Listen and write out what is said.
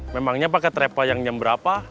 memangnya pake trepa yang nyamber apa